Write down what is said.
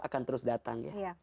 akan terus datang ya